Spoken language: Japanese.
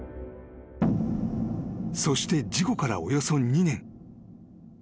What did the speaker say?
［そして事故からおよそ２年］